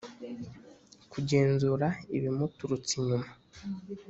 kugenzura ibimuturutse inyuma